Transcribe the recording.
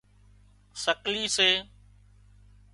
سڪلي سي